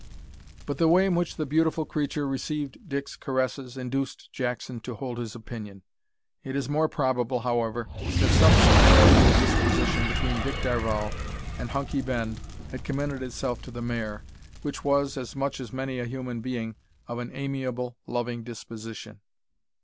But the way in which the beautiful creature received Dick's caresses induced Jackson to hold to his opinion. It is more probable, however, that some similarity of disposition between Dick Darvall and Hunky Ben had commended itself to the mare, which was, as much as many a human being, of an amiable, loving disposition.